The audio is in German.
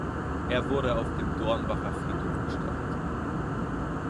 Er wurde auf dem Dornbacher Friedhof bestattet.